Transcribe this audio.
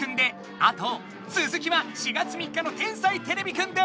あとつづきは４月３日の「天才てれびくん」で！